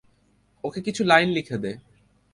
ওকে কিছু লাইন লিখে দে।